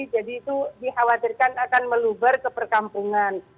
jadi itu dikhawatirkan akan meluber ke perkampungan